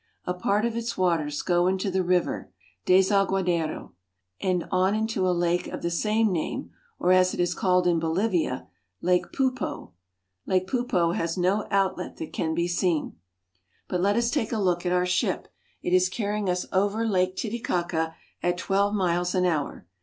A part of its waters go into the river Desaguadero (das a gwa da'ro) and on into a lake of the same name, or, as it is called in Bolivia, Lake Poo'po. Lake Poopo has no outlet that can be seen. But let us take a look at our ship. It is carrying us over Lake Titicaca at twelve miles an hour.